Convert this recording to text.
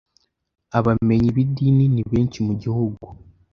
abamenyi b’idini nibenshi mugihugu